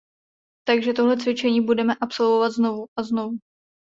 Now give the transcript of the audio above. Takže tohle cvičení budeme absolvovat znovu a znovu.